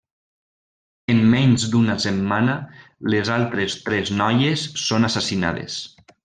En menys d'una setmana, les altres tres noies són assassinades.